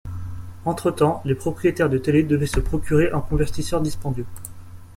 Entre-temps, les propriétaires de télé devaient se procurer un convertisseur dispendieux.